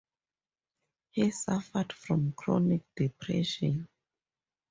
He suffered from chronic depression.